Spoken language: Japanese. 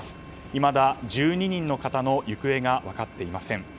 いまだ１２人の方の行方が分かっていません。